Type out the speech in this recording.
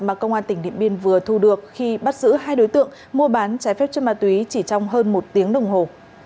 mà công an tỉnh điện biên vừa thu được khi bắt giữ hai đối tượng mua bán trái phép chất ma túy chỉ trong hơn một tiếng đồng hồ